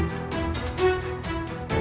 ya maaf lupa